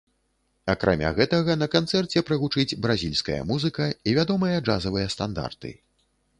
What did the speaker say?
Акрамя гэтага, на канцэрце прагучыць бразільская музыка і вядомыя джазавыя стандарты.